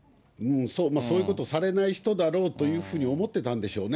そういうことをされない人だろうというふうに思ってたんでし